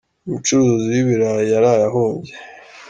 umucuruzi wibirayi yaraye ahombye